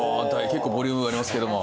結構ボリュームがありますけども。